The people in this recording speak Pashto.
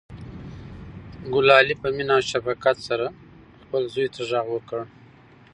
ګلالۍ په مینه او شفقت سره خپل زوی ته غږ وکړ.